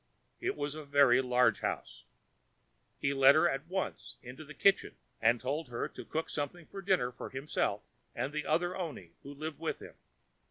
It was a very large house. He led her at once into the kitchen, and told her to cook some dinner for himself and the other oni who lived with him.